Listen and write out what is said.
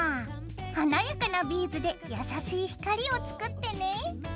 華やかなビーズで優しい光を作ってね。